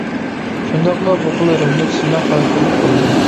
شۇنداقلا بۇ خىل رېمونت سىناق خاراكتېرلىك بولىدۇ.